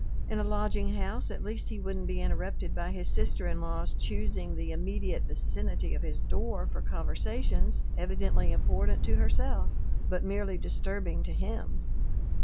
In a lodging house, at least he wouldn't be interrupted by his sister in law's choosing the immediate vicinity of his door for conversations evidently important to herself, but merely disturbing to him.